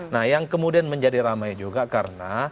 nah yang kemudian menjadi ramai juga karena